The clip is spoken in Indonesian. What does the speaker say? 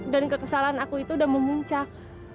dan kekesalan aku itu udah memuncak